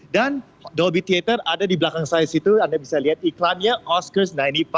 dan dolby theater ada di belakang saya situ anda bisa lihat iklannya oscars sembilan puluh lima